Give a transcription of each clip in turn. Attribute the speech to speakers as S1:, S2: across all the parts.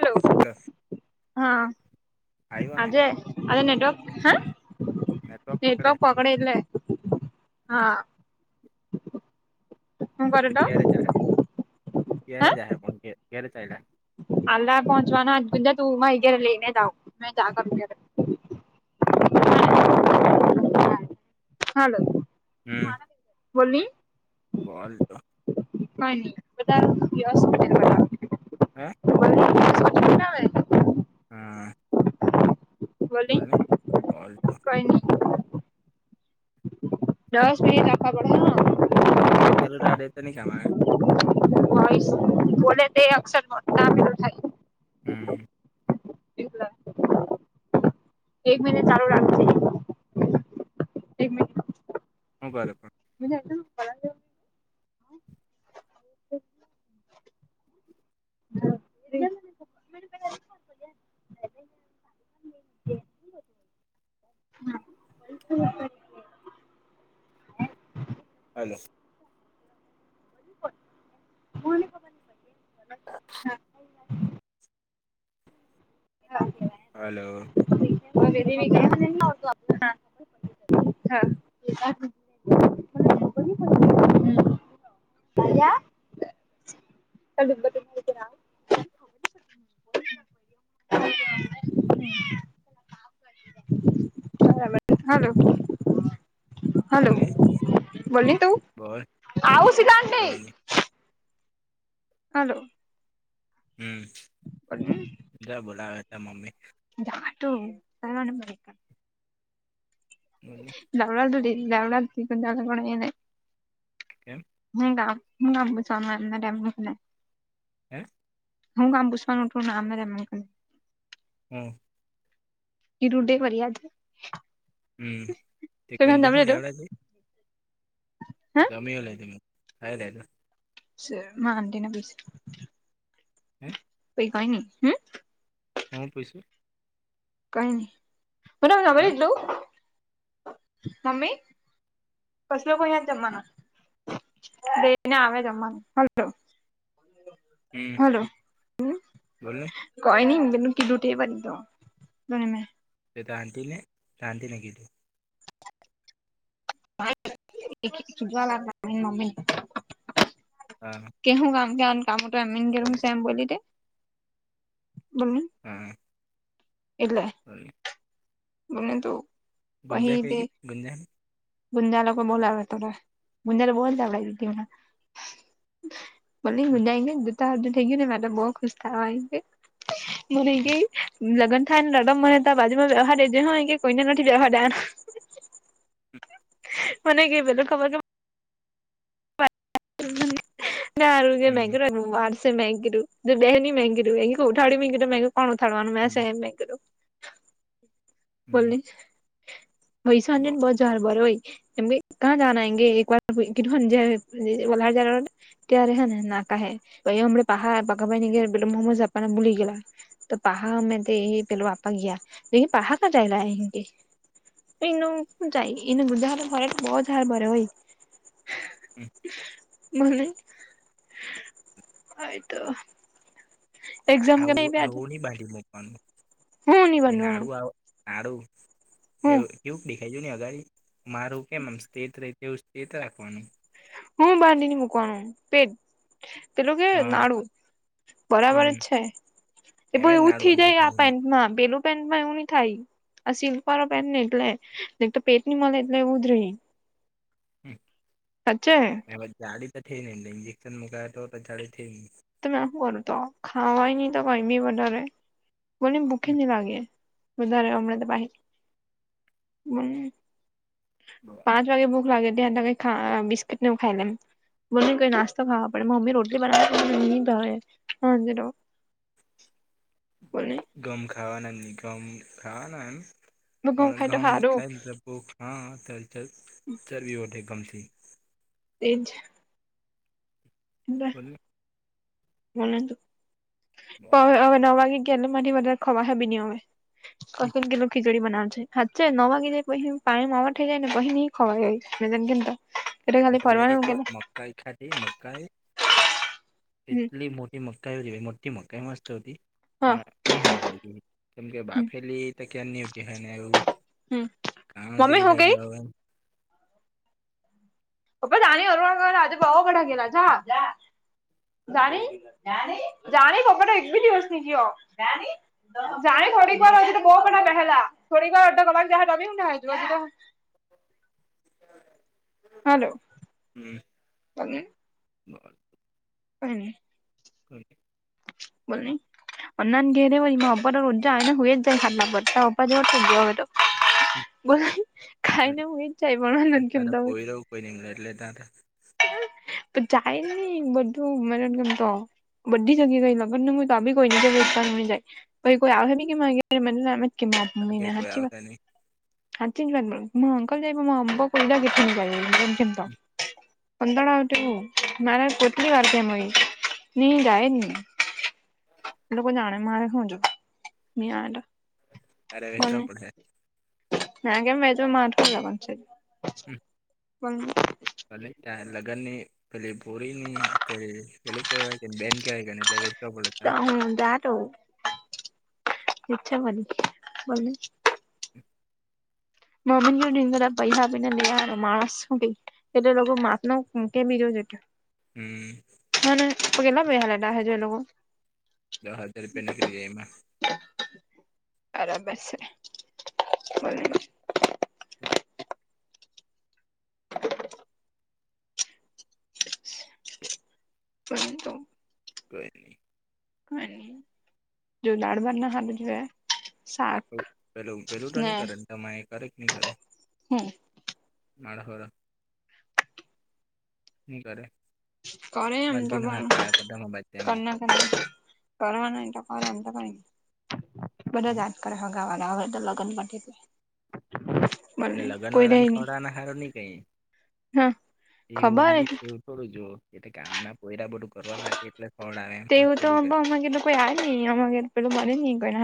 S1: હ
S2: હલો
S1: હા,
S2: આવ્યો
S1: અ
S2: ને
S1: અટવર્ક હ
S2: નેટવર્ક
S1: એ તો
S2: પકડે
S1: પ અડ લે હા હું કરે
S2: તો ગેરેજ હ, ગેરેજ હ પણ ગેરેજ આલા
S1: અલ્ પહંચવાનો ગુંજા તુંમાં જ લઈને જાવ મે જ કર
S2: છે.
S1: હાલ બોલી
S2: બલ તો
S1: હા, બ
S2: હે
S1: બનાવે
S2: હા
S1: બોલની
S2: બોલને હલ, તો
S1: કઈ ની દસ મિ આખા પઢા
S2: એમે ચાલુ આડે તો ન
S1: બોલે તે અક્ષરું થાય.
S2: હમ્મ
S1: એવલા એક મિટ ચારો રાખ એકમ
S2: હ બરા પણ
S1: બજા એટ [unintelligible] [unintelligible]
S2: હલો [unintelligible] હલો
S1: [unintelligible] હા [unintelligible] હલો
S2: બોલ
S1: હલો
S2: ને
S1: બોલ તું
S2: બોલ
S1: આવ સીધા આંટી
S2: કઈ ની
S1: હલો
S2: હમ્
S1: [unintelligible]
S2: જ બોલાવે ત મમ્મી
S1: દાટું સણ મળ
S2: બોલ ને
S1: દવડા તો દવડાપણ એને
S2: એમ
S1: ની ગામ હું [unintelligible]
S2: એ
S1: હું કામ પુસવાનું ઉઠું ના આ એ ક નને
S2: હમ્મ
S1: કીધું તે ફ્યાજ
S2: હમ્મ તે કુંજ હોલે એવડ છ [unintelligible]
S1: સે માં અન્ટના બેસ
S2: અ એ
S1: એ કય ની હમ્મ
S2: હં પૂશું
S1: કહી
S2: હા
S1: [unintelligible] મમી કસલે કોઈ્યા જમના બેઈને આવે જમવાનું હ
S2: હમ
S1: હલો હ
S2: બોલ ને
S1: કોઈ નઈ તું કડુંઠ ભ તો ધને મે
S2: તે ત આંતતીને શંતને કીધું
S1: જવા લાગ મમી
S2: હા
S1: કેહું કામ કે્યાન કામ તો એમન ગ
S2: બોલ ને
S1: છે એમ બોલી તે બોલણી
S2: હમ
S1: એલે
S2: [unintelligible]
S1: મને તો
S2: ગુંજા ક ગુંંજા
S1: ગુંજિયા લોકો બોલાવ ત ગુંજિયાલા બોલતાડ
S2: [inaudible]
S1: ભો હુંજાયને જુતાધું થઈ ગય ને મે તો બઉુ ખુશ થવા મ ર ગઈ લગ્ન થાય ને રડમ મને ત બાજુમાં વ્યવહાર જે હા એઇ કોઈને નથી દે હાડા મને ગ ભલો ખબર કે. ને હારુ છે મગી વારસે મગીું બે ની મંગીું ઉઠાડી મી કોણ ઉથડવાનું મેસે એમ મે કીધું. બોલ ની ભાઈ સાંજન બ. ચાર બ હોય એમ કં જ આગે એક વાધુંહ જ. ત્યારે હે ને નાકા હેાઈ અમડેહ પાહા બાગા ભાઈ ની ઘેરે પેલુ મોમોજ આપાના બૂલી ગયેલા. તો પહા અમે તે પેલૂ આપા ગયા પહા કં જયલા એમ કે. એ જાય એને બુધા તો ફરે બહુ સાર ભરે હોય. મને તો. એક્ઝામ કે
S2: આવ
S1: નહીં બે આજે
S2: આવણી બાડીમું.
S1: હું ની
S2: એ
S1: બનવાનું
S2: નાડું કડું
S1: હું
S2: એ. એુ દેખાઈ જ ન અગા મારું કેમ આમ સ્ટટ ર એવું સ્ટેટ રાખવાનું.
S1: હું બાંધને મુકવાનું પેટ પેલું કે
S2: હા
S1: નાડું. બરાબર જ
S2: હમ
S1: છે એ
S2: એમ
S1: બો
S2: જ
S1: એવું
S2: નાડું
S1: થઈ
S2: અંદર
S1: જાય આ
S2: ઘાલીને
S1: પેન્ટમાં પેલું. પેનટમાં એવું નહી થાય આ સિલ્ક વાળો પેન્ટ ને એટલે પેટ ની મળે એટલે એવું જ રહી.
S2: હમ.
S1: સાચે.
S2: વે જાડી તો થઈ નેને ન્જેક્શન મકાય તો તો જાડી થ ને.
S1: તમે શું કરો તો ખાવાય નહી તો કઈ બી વધારે બનેને ભૂખે નહી લાગે. બધારે હમણાં તોાઈ. પાંચ વાગે ભુખ લાગે ધ્યા ના. ા બિસ્કકીટનેવું ખાઈ લમ બોને કોઈ નાસ્તોાકરવા પડે મમ્મી રોટ બના. હા જનો.
S2: ગમ ખાવાના ન ગમ ખાવાના એમ પણ
S1: ઘઉં ખાય તો
S2: ઘમ
S1: હારું
S2: ખાય. ઓ હા હા તો ચ ચરવીી વઠ ગમથી.
S1: એજ. હ. હવે નવ વાગે ગયાલે માથી વધારે ખવા હ બી નહી હવે. ત ક ન ખી. ડી બનાવ હાચે ન માગી જાય કો કહી પાણી માવાટ થઈ જાય ને કોહીને હ ખવા ગાયને કે તો. એ ખાલી
S2: એટલે બે
S1: પરવાર
S2: રોટલા
S1: ગેલે.
S2: મકાઈ ખાધ મકાઈ
S1: હમ
S2: એટલી મોટી. એ મકાઈ મકાઈ મસ્ત હતી.
S1: હા
S2: પણ નહી હારી લાગી કેમ કે
S1: હમ
S2: બાફેલી તો ક્યાં નહી ઉઠ એવું.
S1: હમ
S2: કાણ
S1: મમ્મી
S2: જેવી
S1: હું કેય
S2: લાગ્યા હવેને.
S1: પ્ા જાની હરવા કર આજે ભવા કડા ગેલા છ. જાણી જાણી ખબર એક બેી દિવસની ક હો. જા થોડી કર તો આ પણ ના પહેલા થોડી કર અધ કલાક જ દબી ના હોઈ જ હો તો.
S2: હ.
S1: હલો
S2: બરાબર
S1: પણ.
S2: હ.
S1: બોલ ન અનન ઘ હરેલઇમાંપરર ઉજા હો ને શય જાય ખારલાર ત ઉપપર થ હોય તો. બોલો ખાઈને હય જ જાય પણ હન કેમ તમેય.
S2: પઈલીની એટલે.
S1: જાય નહી બધું મ કેમતો. બી જગી ગઈ લગન ન હોય તો બી કોઈ ને કોઈ ઉત્પન્નઈ જાય ભ કોઈ આવે નને કે મ. કે
S2: લાગે
S1: મહિને
S2: કોઈ
S1: હચ વા
S2: આવશે નહી
S1: હા મું અંકલ જઈ મ અમ્ કઈ બે લ કેમ તો પંદડા આવઠું નારે કોટ વાર કેમય નિ જાય ન. એ લોકો જાણે મારે હું જો. મ આડા
S2: તારે વેચવા
S1: બોલને.
S2: પડહે
S1: [inaudible] ના કેમજ માઠકો જ છે.
S2: ભલે ત લગ્ન ની પેલી ભોરી પેલુંવાય કે બેન કવાય કે એટલે. પડે તારે
S1: હું જાતો ઈચ્છા બની બો.
S2: હ.
S1: મોબીન પૈસા બીને લ માણસ કે લોકોર માત ન કેમી જ જે
S2: હમ.
S1: હને પગેલા બે હ લ ડા હેજ એ લોકો
S2: દ હજાર રૂપિયા નીકલી જ એમાં
S1: બરાબર છે બો
S2: [unintelligible]
S1: [unintelligible]
S2: હ.
S1: પરંતુ
S2: કોઈ નહી
S1: હા જો દાડ ભાત ન ખાઘો તે
S2: પેલું પેલું તો
S1: ને
S2: નહી કરે તમા કરે કે નહી કરે
S1: હમ
S2: માળખર કરે.
S1: કરે
S2: મરકી ન હાક લાવ પમાં બ એમ
S1: કરવા તો કર એમ તો બધા
S2: હમ
S1: જા કરગાવાગ આવે તો લગન
S2: એટ લગ્ન વાળાને ખવડનો સારો નહી કઈ
S1: હા ખબર
S2: એું થોડું જુઓ એ કામ ના કોયરા બધું કરવા લાગે એટલે ફળ આવે એમત
S1: તેવું તો
S2: પડી જાય
S1: અમાર ઘેર તો કોઈ આ નઈ આમાંમે પેલું બને નહ કોઈ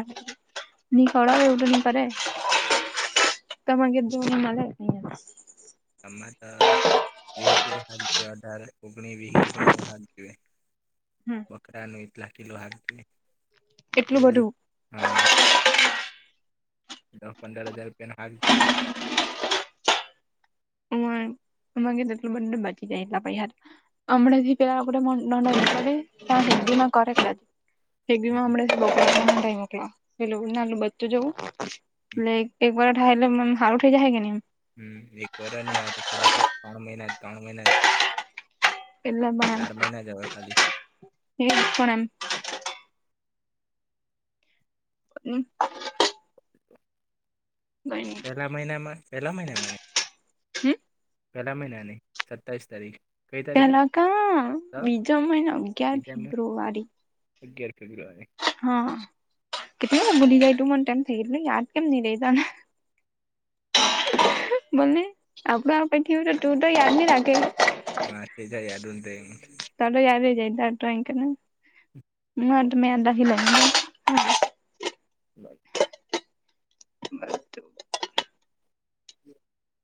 S1: ની ખવડાવ એવું તો ન કરે તમામગે દ મળે તયા
S2: તમાટ વી કિલો હાલ અઢારે ઉગણી વી કિલોવું હાલએ
S1: હમ
S2: કકડાનું એટલા કિલો હા
S1: એટલું
S2: એટલે બી
S1: બધું
S2: હા દહ પંદર હજાર લપિયાન હાક જીવી.
S1: ગ એટલું બંને બચી જાય એટલા પછ યાર અમળથી પેલા ન દ ત હદી ના કરે છે એક બ
S2: હમ
S1: મોકલા પેલું નાલું બધતું જવું એટલે. કરાઠ હ લ મ હાર થઈ જાયે કેમ
S2: હમ એક વાર ન થોડા ત્રણ મહિના જ ત્રણ મહિના જ
S1: એલ પણણમ
S2: મહિના જ હવે ખાલી
S1: એ પણ હમ. પણ એમ
S2: પેલા મહિનામાં પેલા મહિનામાં
S1: હમ.
S2: પેલા મહિનાની સત્તાવીસ તારીખ. કઈ તારીખે
S1: તેલાકા બીજમને અગિયાર
S2: બીજા
S1: ફેબ્રુઆરી
S2: અગિયાર ફેબ્રવાને
S1: હા કેને ભૂલી જાય તું મને ટમ થઈ ગ યાદ કેમ નઈ રે ત ને બોને આપડ આ પેઠીું તો તું તો યાાર રાાગે
S2: હ તે જ આઈડડટ
S1: તાલો યાર જઈ ડ્રોઈંગને હ આ મે દખી લઈ.
S2: બાય.
S1: બ.
S2: [inaudible]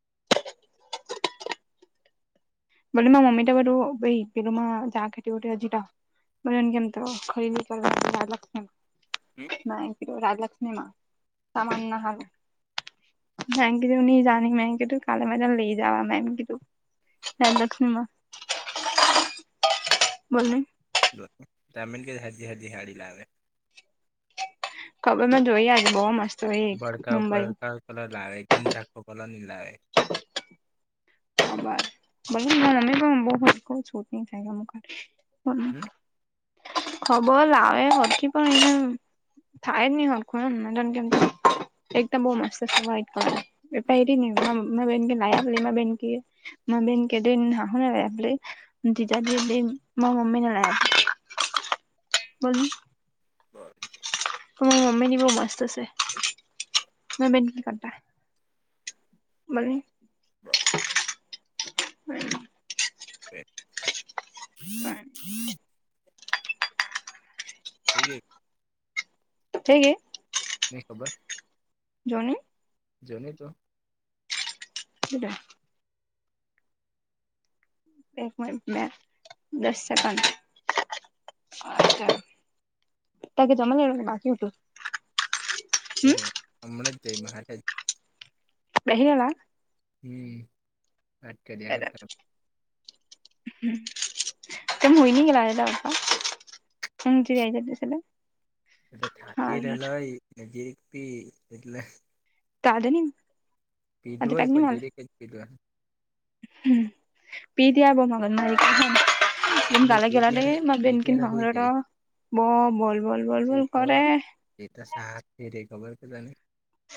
S1: ભોલી મમ્મી તો બધું ભ પેલું જાખેતી હો હજી [unintelligible] રાજલક્ષ્મીમાં સામાનના હારું [unintelligible] હે લક્ષ્મીમાં બોલની.
S2: તા કે હાજી હાજી હાડી લાવે.
S1: ખબર મેં જોઈ આયવી બો મસ્ત. હોય એક
S2: બડકા
S1: મુંબઈ
S2: બડકા કલર લાવે એકદમ ઝાખો કલરની લાવે
S1: [unintelligible]
S2: હમ
S1: [unintelligible] થાય જ ની હળખુ એકદમ બહુ મસ્ત વ્હાઇટ કલરની [unintelligible] [unintelligible] [unintelligible]
S2: બર.
S1: [unintelligible] [unintelligible] કરતા. મને
S2: [unintelligible]
S1: [inaudible]
S2: બે
S1: [unintelligible]
S2: [unintelligible]
S1: થેય ગેય
S2: નઈ ખબર
S1: જોની
S2: જોની તુ
S1: મુકીદે [unintelligible] દસ સેકન્ડ [unintelligible] હમ
S2: અમણા જ જયમાં હાથેજ
S1: બેહી રેલા
S2: હમ. વાત કર્યા કરતા
S1: [inaudible] [unintelligible] હારું
S2: [unintelligible]
S1: કાલે ની આ
S2: પીધું
S1: તો પેક
S2: હોય
S1: ની
S2: પણ
S1: મલે
S2: જીરીક જ પીધું એમ
S1: [unintelligible]
S2: અને પી ત્યારે પી ત્યારે હોય જાય
S1: [unintelligible] બો બોલ બોલ બોલ બોલ કરે
S2: એતો શાંત ની રેય ખબર કે તને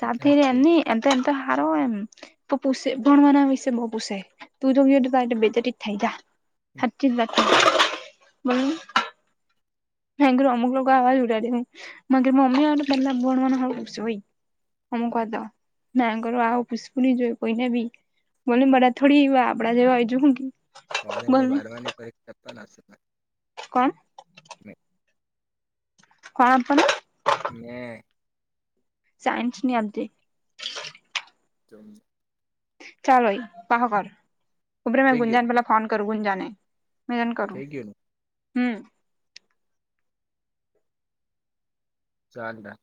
S2: બીજા હાથે
S1: હારો એમ [unintelligible] [unintelligible] [unintelligible] [unintelligible] [unintelligible] બોલને
S2: [unintelligible]
S1: કોણ
S2: મે
S1: કોણ આપ પણને
S2: હ
S1: સાયન્સ નની આપજે
S2: તોુ
S1: ચાલો પહ કરર ઉપર મે
S2: થઈ ગયું
S1: ગુંંજાન પલા ફોન કરું ગુંજાન. મિલન કરું
S2: થઈ ગયું ને
S1: હમ
S2: ચાલને.